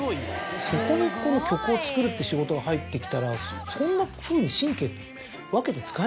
そこに曲を作るって仕事が入ってきたらそんなふうに。